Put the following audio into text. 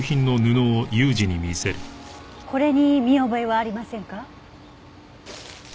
これに見覚えはありませんか？